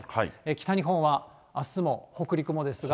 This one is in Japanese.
北日本はあすも北陸もですが。